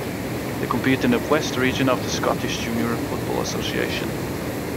They compete in the West Region of the Scottish Junior Football Association.